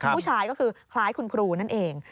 ผู้ชายก็คือคล้ายคุณครูนั่นเอง